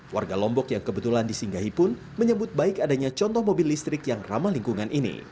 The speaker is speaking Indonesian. warga lombok yang kebetulan disinggahi pun menyebut baik adanya contoh mobil listrik yang ramah lingkungan ini